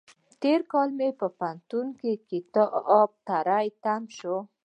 تېر کال مې په پوهنتون کې کتاب تری تم شو.